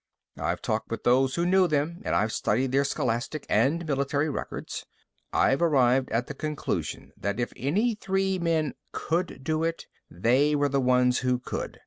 "I've talked with those who knew them and I've studied their scholastic and military records. I've arrived at the conclusion that if any three men could do it, they were the ones who could.